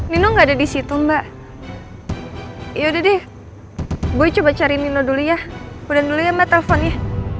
nino gak ada disitu mbak yaudah deh gue coba cari nino dulu ya mudah dulu ya mbak telfon ya